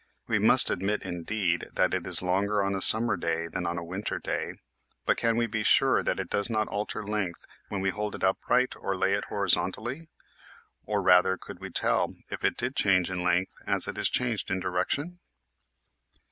We must admit indeed that it is longer on a summer day than on a winter day, but can we be sure that it does not alter in length when we hold it upright or lay it horizontally ? Or, rather, could we tell if it did change in length as it is changed in direc tion?